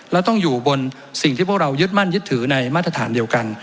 แล้วต้องอยู่บนสิ่งที่พวกเรายึดมั่นยึดถือในมาตรฐานเดียวกัน